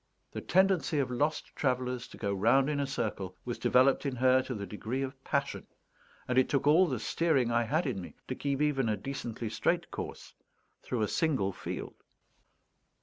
The tendency of lost travellers to go round in a circle was developed in her to the degree of passion, and it took all the steering I had in me to keep even a decently straight course through a single field.